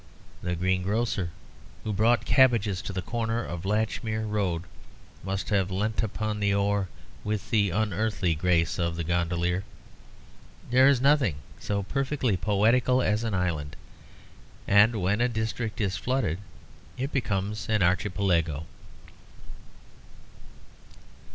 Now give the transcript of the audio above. The greengrocer who brought cabbages to the corner of the Latchmere Road must have leant upon the oar with the unearthly grace of the gondolier. There is nothing so perfectly poetical as an island; and when a district is flooded it becomes an archipelago.